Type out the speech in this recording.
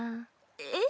えっ。